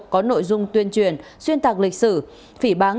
có nội dung tuyên truyền xuyên tạc lịch sử phỉ bán